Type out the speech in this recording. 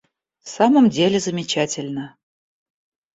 В самом деле, замечательно.